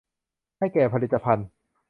ให้แก่ผลิตภัณฑ์